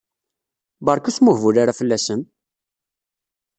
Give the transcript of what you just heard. Berka ur smuhbul ara fell-asen!